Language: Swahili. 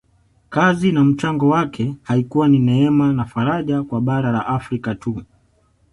Kazi na mchango wake haikuwa ni neema na faraja kwa bara la Afrika tu